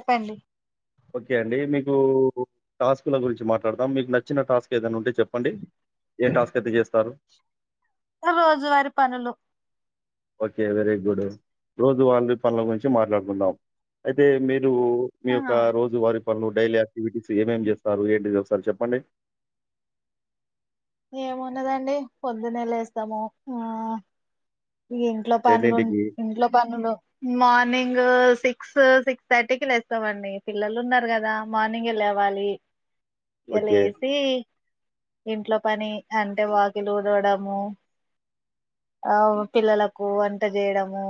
చెప్పండి ఓకే అండి మీకు టాస్కుల గురించి మాట్లాడదాం మీకు నచ్చిన టాస్క్ ఏదైనా ఉంటే చెప్పండి ఏం టాస్క్ అయితే చేస్తారు రోజువారి పనులు ఓకే వెరీ గుడ్ రోజు వాళ్ళు పనుల గురించి మాట్లాడుకుందాం అయితే మీర రూ మీ ఆ ఒక రోజు వారి పనులు డైలీ యాక్టివిటీస్ ఏమేమి చేస్తారు ఏంటిది ఒకసారి చెప్పండి ఏమున్నదండి పోదునే లేస్తాము ఆ ఎన్నింటికి? మార్నింగు సి క్సు సిక్స్ థర్టీకిి లేస్తామండి పిల్లలు ఉన్నారు కదా మార్నింగే లేవాలి ఇగ ఓకే. లేసి ఇంట్లో పని అంటే వాకిలు ఉడవడము ఆ పిల్లలకు వంట చేయడము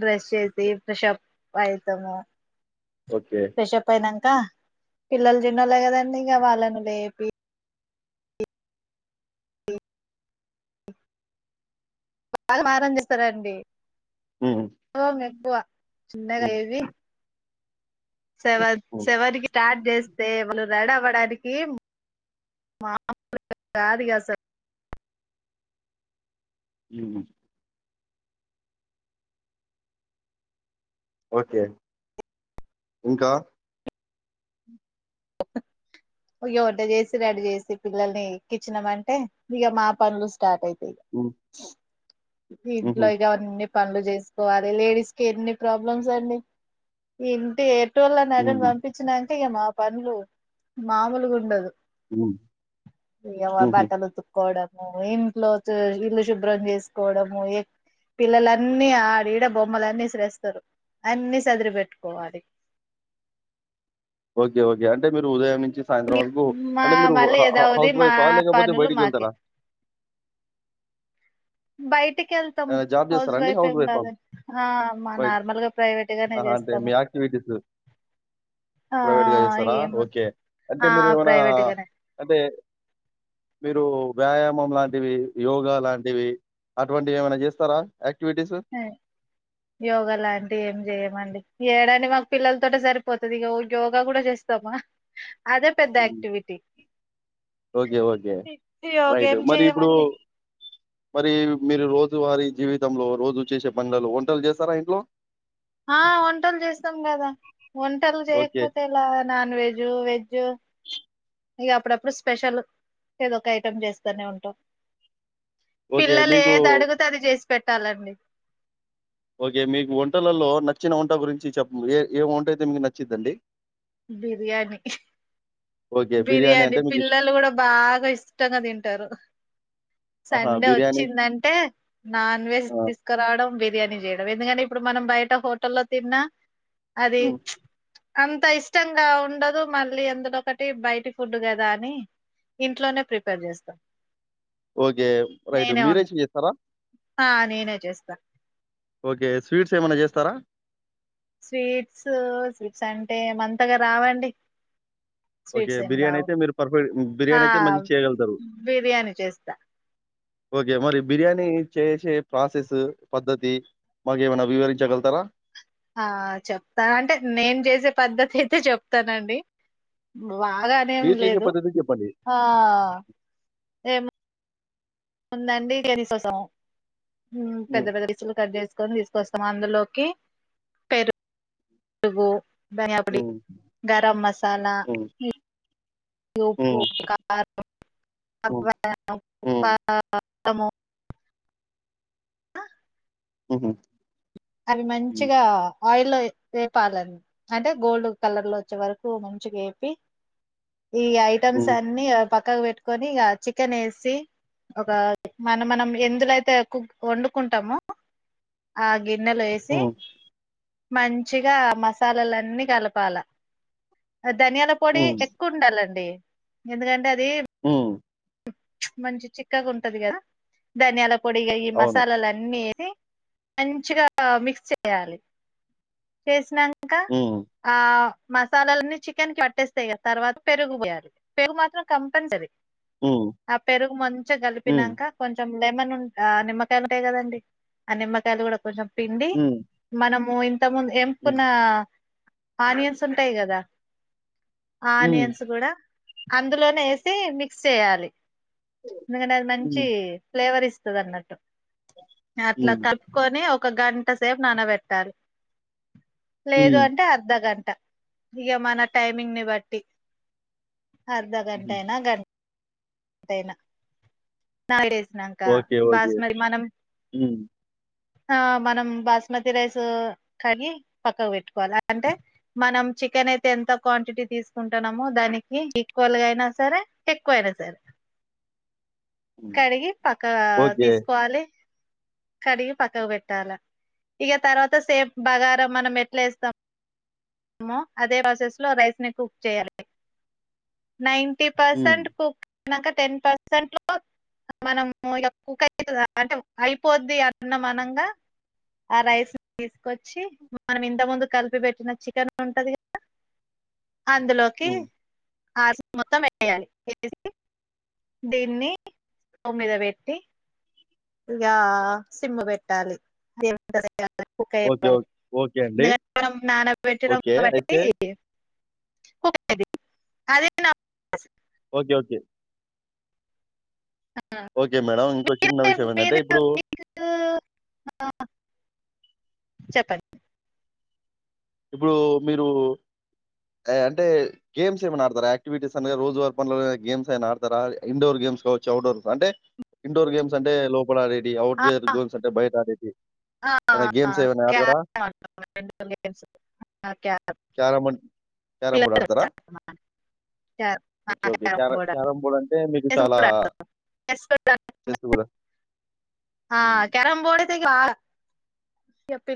డ్రెస్ చేసి ఫ్రెషప్ అయితము ఓకే. పేష పై నం త పిల్లలు జిన్నోలే కదండి ఇంక వాళ్ళను లేపి బాగా మారం చేస్తారండి హ్మ్. కోపం ఎక్కువ చిన్నగా హ్మ్. ఏవి శవద్ హ్మ్. శవదికి స్టార్ట్ చేస్తే రెడీ అవ్వడానికి మాములుగ కాదిగసలు ఊ ఓకే ఇంకా ఓయో వంట చేసి రడి చేసి పిల్లల్ని ఎక్కించినమంటే ఇక మా పనులు స్టార్ట్ అయి ఉ ఇపుడు ఇంట్లో ఇగ అన్నీ పనులు చేసుకోవాలి లేడీస్ కి ఎన్ని ప్రాబ్లమ్స్ అండి ఇంటి ఏ టోల్లనరిని హ్మ్. పంపించినంక ఇక మా పనులు మాములగుండదు హ్మ్. ఇగ వా హుహు. బట్టలు ఉతుకోవడం మో ఇంట్లో చె ఇల్లు శుభ్రం చేసుకోవడము ఎ పిల్లలన్నీ ఆడిడ బొమ్మలన్నీ ఇసిరెస్తారు అన్ని సదిరి పెట్టుకోవాలి ఓకే ఓకే అంటే మీరు ఉదయం నుంచి సాయంత్రం వరకు మా అంటే మీరు మళ్ళీ అ అ ఏదావది హౌస్ మా వైఫ లేకపోతే పనులు బయటికి మాకే ఎళ్తరా బయటి కెళ్తము ఏమైనా జాబ్ హౌస్ చేస్తారా అండి? వైఫ్ ఏం వైఫా? కాదని ఆ బైట్ నార్మల్గా ప్రైవేట్గానే ఆహా! అంటే చేస్తాము మీ యాక్టివిటీస్ ఆ ప్రైవేట్‌గా ఇగ చేస్తారా? ఏముంది ఓకే. అంటే ఆ మీరేమైనా ప్రైవేట్ గనే అంటే మీరు వ్యాయామం లాంటివి యోగా లాంటివి అటువంటి ఏమనా చేస్తరా యోగా లాంటివి ఏం చేయమండి ఏడాని మాకు పిల్లల తోట సరిపోతది ఇగ ఓ యోగా కూడా చేస్తామా అదే పెద్ద హ్మ్. ఆక్టివిటీ ఓకే ఓకే రైట్ ఏం మరి ఇప్పుడు చెయమండి మరి మీరు రోజ్ రోజు వారి జీవితంలో రోజు చేసే పనులలో వంటలు చేస్తారా ఇంట్లో ఆ వంటలు చేస్తాం కదా వంటలు ఓకే. చేయకపోతే ఎలా నాన్ వెజు, వెజు ఇగ అప్పుడప్పుడు స్పెషల్ ఏదో ఒక ఐటెం చేస్తనే ఉంటాం ఓకే. పిల్లలు మీకు ఏది అడుగుతే అది చేసిపెట్ ట్టాలండి ఓకే మీకు వంటలల్లో నచ్చిన వంట గురించి చెప్పు ఏ ఏ వంట అయితే మీకు నచ్చిందండి బిర్యానీ ఓకే. బిర్యానీ అంటే మీకిష్ పిల్లలు కూడా బాగా ఇష్టంగా తింటారు ఆహా! సండే బిర్యానీ వచ్చిందంటే నాన్ వెజ్ ఆ! తీసుకురావడం బి బిర్యానీ చేయడం ఎందుకంటే ఇప్పుడు మనం బయట హోటల్లో తిన్నా అది హ్మ్. అంతాయిస్ ష్టంగా ఉండదు మళ్ళీ అందులో ఒకటి బయటి ఫుడ్ కదా అని ఇంట్లోనే ప్రిపేర్ చేస్తా ఓకే రైట్ మీరే చె చేస్తారా ఆ నేనే చేస్తా ఓకే స్వీట్స్ ఏమన్నా చేస్తారా స్వీట్స్ స్వీట్స్ అంటే అంతగా రావండి ఓకే స్వీట్స్ ఏం బిర్యానీ రావు అయితే మీరు పర్ఫెక్ట్ ఆ బిర్యానీ అయితే మంచిగా చేయగలుగుతారు బిర్యానీ చేస్తా ఓకే మరి బిర్యానీ చేసే ప్రాసెస్ పద్ధతి మాకు ఏమైనా వివరించగలుగుతారా ఆ చెప్తా అంటే నేను చేసే పద్ధతి అయితే చెప్తానండి బాగానేం మీరు చేసే లేదు పద్ధతి చెప్పండి. ఆ ఏమ్ ఉందండి [unintelligible] హ్మ్ పెద్ద పెద్ద పీసులు కట్ చేసుకొని తీస్ కోసం అందులోకి పెర్ రుగు ధనియపొడి హ్మ్. గరం మసాలా హ్మ్. ఉప్పు హ్మ్. కారం హ్మ్. హ్మ్. [unintelligible] తము ఉహు అవి మంచిగా ఆయిల్ వేపాలండి అంటే గోల్డ్ కలర్ లో వచ్చే వరకు మంచిగా ఎపి ఈ ఐటెమ్స్ హ్మ్. అన్ని పక్కకు పెట్ కొని ఇగ చికెన్ ఏసి ఒక మన మనం ఎందులో అయితే కు వండుకుంటామో ఆ గిన్నెలో ఏసి హ్మ్. మంచిగా మసాలాలన్నీ కలపాల ధనియాల పొడి హ్మ్. ఎక్కువ ఉండాలండి ఎందుకంటే అది హ్మ్ మంచి చిక్కగా ఉంటది కదా ధానియాల పొడిగ ఈ అవును. మసాలాలన్ని ఏ అన్ మంచిగా మిక్స్ చేయాలి చేసినాం కా హ్మ్. ఆ మసాలాలన్నీ చికెన్ కి పట్టేస్తాయి కదా, తర్వాత పెరుగు పోయాలి పెరుగు మాత్రం కంపల్సరీ. హ్మ్. ఆ పెరుగు మంచిగా హ్మ్. కలిపినంక కొంచెం లేమన్ ఉం ఆ నిమ్మకాయలు ఉంటాయి కదండి. ఆ నిమ్మకాయలు కూడా కొంచెం పిండి హ్మ్. మనం మోయ్ ఇంతకు ముందు హ్మ్. ఎంపున ఆనియన్స్ ఉంటాయి కదా హ్మ్. ఆనియన్స్ కూడా అందులోనే వేసి మిక్స్ చేయాలి ఎందుకంటే అది మంచి హ్మ్. ఫ్లేవర్ ఇస్ ఉంటదనట్టు ఆ అట్లా హ్మ్. కలుపుకొని ఒక్ ఒక గంట సేపు నానబెట్టాలి. లేదు హ్మ్. అంటే అర్ధగంట ఇగ మన టైమింగ్ ని బట్టి అర్ధ హుహు. గంటైనా గన్ టైనా నాల్గేస్ నంక ఓకే. ఓకే. బాస్మతి మనం హ్మ్. ఆ మనం బాస్మతి రైస్ కడిగి పక్కకు పెట్టుకోవాలి. అంటే మనం చికెన్ అయితే ఎంత క్వాంటిటీ తీసుకుంటున్నామో, దానికి ఈక్వల్ గా అయినా సరే ఎక్కువైనా సరే హ్మ్. కడిగి పక్కా ఓకే. తీసుకోవాలి కడిగి పక్కకు పెట్ ట్టాల ఇగ తర్వాత సేమ్ బగారా మనం ఎట్లా చేస్తామో, అదే ప్రాసెస్ లో రైస్ ని కుక్ చేయాలి నైన్ ఫిఫ్టీ హ్మ్. పర్సెంట్ కుక్ పోయినాక టెన్ పర్సెంట్ లో మనము ఇగ కుక్ అయితది కదా అంటే అయిపోద్ది అన్నం అనంగా ఆ రైస్ ని తీసుకొచ్చి మనం ఇంత ముందు కలిపి పెట్టిన చికెన్ ఉంటది కదా అందులోకి హ్మ్. ఆ [inaudible] మొత్తం వేయాలి వేసి దీన్ని స్టవ్ మీద పెట్టి ఇగా సిమ్ము పెట్టాలి [inaudible] కు ఓకే. ఓకే. ఓకే అండి. ఓకే. అయితే [unintelligible] అదే నా [unintelligible] ఓకే ఓకే ఓకే మేడం ఇంకో చిన్న విషయం ఏంటంటే మీరు ఇప్పుడు చెప్పండి. ఇప్పుడు మీరు అంటే గేమ్స్ ఏమనా ఆడతారా? యాక్టివిటీస్ అనగా రోజువార పనుల గేమ్స్ అనా ఆడతారా ఇండోర్ గేమ్స్ కావచ్చు అవుట్డోర్ గేమ్స్ అంటే ఇండోర్ గేమ్స్ అంటే లో. [unintelligible] ఆడాడి ఆ, అఔట్డోర్ గేమ్స్ అంటే బయట ఆడడి ఆ, ఏ గేమ్స్ ఏవనా ఆడతారా? క్యారమ్ అన్ క క్యారమ్ బోర్డ్ ఆడతారా? క ఓకే. ఓకే. క్యార క్యారమ్ బోర్డ్ అంటే మీకు బర్ చాలా చెస్ కూడా [unintelligible] ఆ హ్మ్. క్యారం బోర్డ్ అయితే కా పిల్